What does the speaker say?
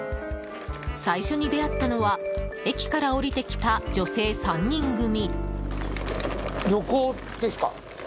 最初に出会ったのは駅から降りてきた女性３人組。